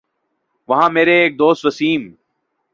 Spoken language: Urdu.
وہاں میرے ایک دوست وسیم